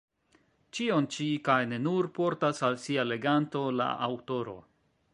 Ĉion ĉi, kaj ne nur, portas al sia leganto la aŭtoro.